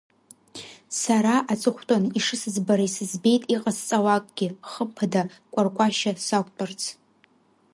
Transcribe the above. Сара аҵыхәтәан ишысыӡбара исыӡбеит иҟасҵалакгьы, хымԥада, Кәаркәашьа сақәтәарц.